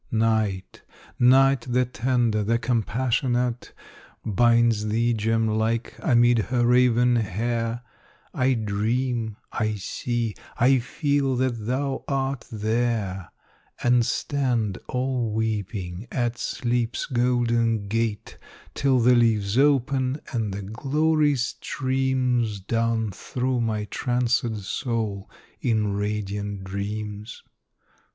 Night Night the tender, the compassionate, Binds thee, gem like, amid her raven hair; I dream I see I feel that thou art there And stand all weeping at Sleep's golden gate, Till the leaves open, and the glory streams Down through my trancèd soul in radiant dreams.